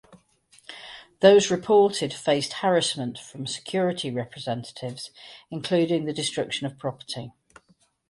Those reported faced harassment from security representatives, including the destruction of property.